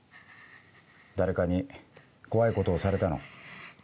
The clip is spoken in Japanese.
誰かに怖いことをされたの？